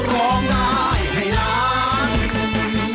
ร้องได้ให้ล้าน